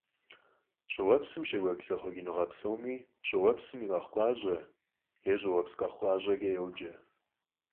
ЩӀыуэпсым щекӀуэкӀ зэхъуэкӀыныгъэ псоми щӀыуэпсым и къэхъукъащӀэ е щӀыуэпс къэхъукъащӀэкӀэ йоджэ.